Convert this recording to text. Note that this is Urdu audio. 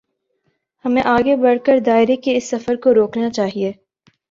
ہمیں آگے بڑھ کر دائرے کے اس سفر کو روکنا چاہیے۔